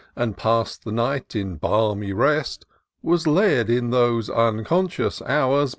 And pass'd the night in balmy rest. Was led, in those unconscious hours.